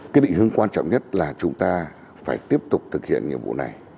cái định hướng quan trọng nhất là chúng ta phải tiếp tục thực hiện nhiệm vụ này